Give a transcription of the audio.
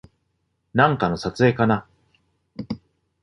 なんかの撮影かな